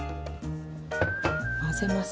混ぜます。